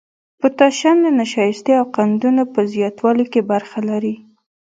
پوتاشیم د نشایستې او قندونو په زیاتوالي کې برخه لري.